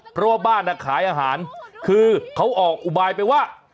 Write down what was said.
เพราะว่าบ้านขายอาหารคือเขาออกอุบายไปว่า